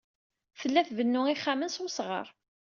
Tella tbennu ixxamen s wesɣar.